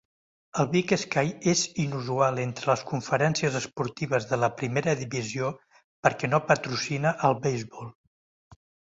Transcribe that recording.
El Big Sky és inusual entre les conferències esportives de la Primera Divisió perquè no patrocina el beisbol.